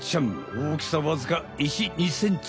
おおきさわずか１２ｃｍ。